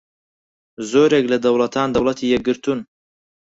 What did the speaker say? زۆرێک لە دەوڵەتان دەوڵەتی یەکگرتوون